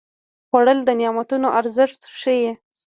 خوړل د نعمتونو ارزښت ښيي